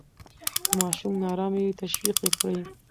که ماشوم نا آرامه وي، تشویق یې کړئ.